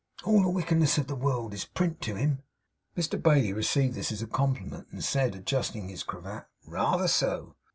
'All the wickedness of the world is Print to him.' Mr Bailey received this as a compliment, and said, adjusting his cravat, 'reether so.